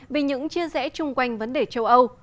vì những chia rẽ chung quanh vấn đề châu âu